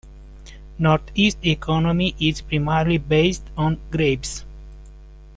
North East's economy is primarily based on grapes.